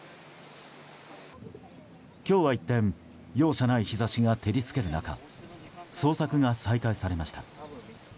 今日は一転、容赦ない日差しが照り付ける中捜索が再開されました。